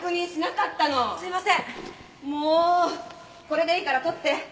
これでいいから撮って！